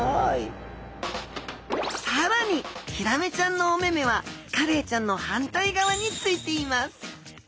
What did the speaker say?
更にヒラメちゃんのお目々はカレイちゃんの反対側についています。